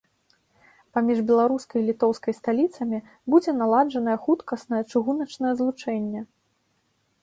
Паміж беларускай і літоўскай сталіцамі будзе наладжанае хуткаснае чыгуначнае злучэнне.